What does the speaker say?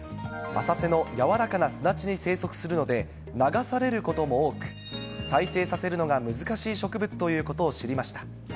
浅瀬の柔らかな砂地に生息するので、流されることも多く、再生させるのが難しい植物ということを知りました。